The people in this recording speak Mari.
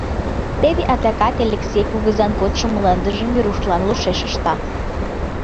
Теве адак Элексей кугызан кодшо мландыжым Верушлан лошеш ышта.